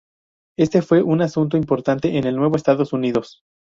Éste fue un asunto importante en el nuevo Estados Unidos.